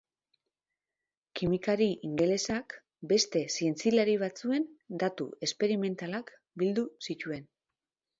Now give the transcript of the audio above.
Kimikari ingelesak beste zientzialari batzuen datu esperimentalak bildu zituen.